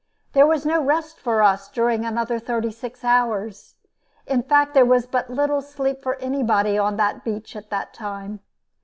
There was no rest for us during another thirty six hours. In fact, there was but little sleep for anybody on that beach at the time.